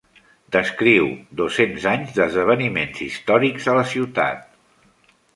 Descriu dos-cents anys d'esdeveniments històrics a la ciutat.